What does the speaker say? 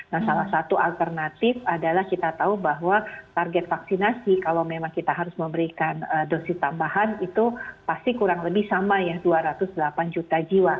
nah salah satu alternatif adalah kita tahu bahwa target vaksinasi kalau memang kita harus memberikan dosis tambahan itu pasti kurang lebih sama ya dua ratus delapan juta jiwa